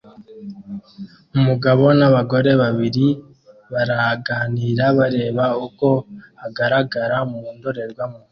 Umugabo nabagore babiri baraganira bareba uko agaragara mu ndorerwamo